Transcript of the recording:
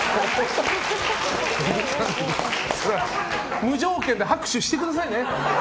無条件で拍手してくださいね。